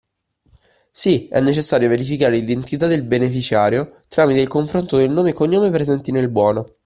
Sì, è necessario verificare l’identità del beneficiario tramite il confronto del nome e cognome presenti nel buono